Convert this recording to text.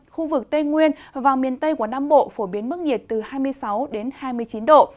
khu vực tây nguyên và miền tây của nam bộ phổ biến mức nhiệt từ hai mươi sáu đến hai mươi chín độ